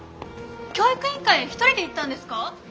教育委員会へ１人で行ったんですか？